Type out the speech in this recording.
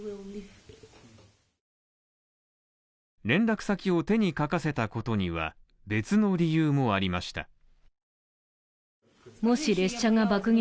連絡先を手に書かせたことには別の理由もありました。